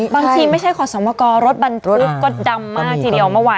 บางทีไม่ใช่ขอสมกรถบรรตุฯก็ดำมากทีเดียว